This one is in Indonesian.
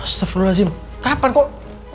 astagfirullahaladzim kapan kok